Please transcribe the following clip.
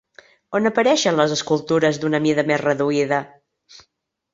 On apareixen les escultures d'una mida més reduïda?